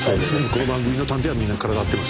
この番組の探偵はみんな体張ってます。